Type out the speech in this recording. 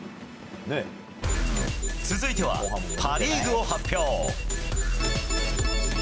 続いてはパ・リーグを発表。